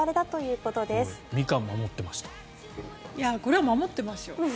これは守ってますよ。